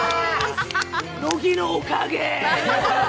乃木のおかげ！